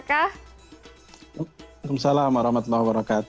assalamualaikum wr wb